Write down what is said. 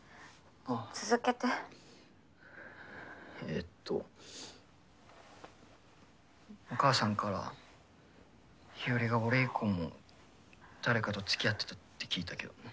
続けて。ええっとお母さんから日和が俺以降も誰かとつきあってたって聞いたけど。